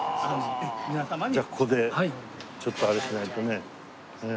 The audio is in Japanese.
じゃあここでちょっとあれしないとね。